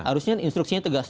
harusnya instruksinya tegas